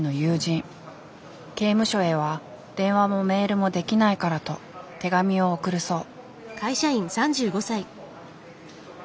刑務所へは電話もメールもできないからと手紙を送るそう。